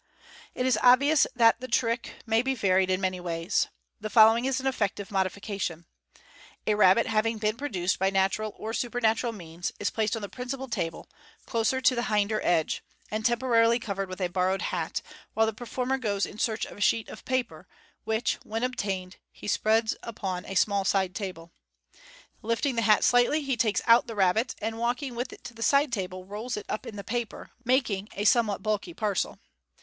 It is obvious that the trick may be varied in many ways. The following is an effective modification :— A rabbit having been produced oy natural or supernatural means, is placed on the principal table (close to the hinder edge), and temporarily covered with a borrowed hat, while the performer goes in search of a sheet of paper, which ♦54 MODERN MA GIC. when obtained, he spreads upon a small side table. Lifting the hat slightly, he takes out the rabbit, and walking with it to the side table, rolls it up in the paper, making a somewhat bulky parcel.